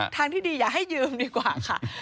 ทางที่ดีอย่าให้ยืมดีกว่าค่ะ